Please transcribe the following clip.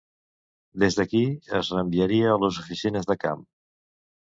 Des d'aquí, es reenviaria a les oficines de camp.